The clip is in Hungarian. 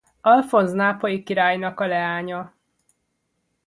Alfonz nápolyi királynak a leánya.